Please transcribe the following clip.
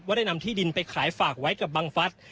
ได้นำที่ดินไปขายฝากไว้กับบังฟัส